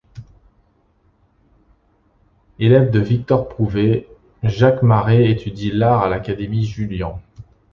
Élève de Victor Prouvé, Jacques Maret étudie l'art à l'Académie Julian.